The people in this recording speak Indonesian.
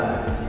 baik yang boleh